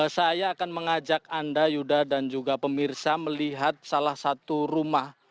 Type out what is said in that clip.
saya akan mengajak anda yuda dan juga pemirsa melihat salah satu rumah